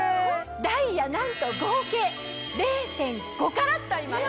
ダイヤなんと合計０．５カラットあります。